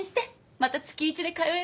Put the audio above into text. また月１で通えるわ。